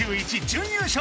準優勝